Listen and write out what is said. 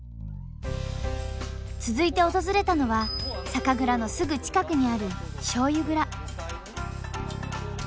続いて訪れたのは酒蔵のすぐ近くにある醤油蔵。